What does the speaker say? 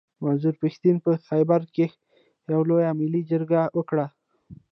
منظور پښتين په خېبر کښي يوه لويه ملي جرګه وکړه.